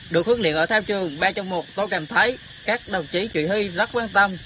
được huấn luyện ở thao trường ba trong một tôi cảm thấy các đồng chí chủy rất quan tâm